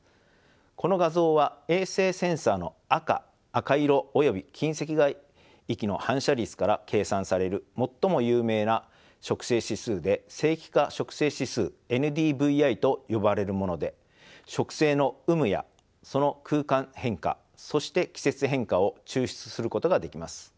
この画像は衛星センサの赤色および近赤外域の反射率から計算される最も有名な植生指数で正規化植生指数ＮＤＶＩと呼ばれるもので植生の有無やその空間変化そして季節変化を抽出することができます。